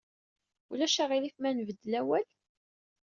Ulac aɣilif ma nbeddel awal?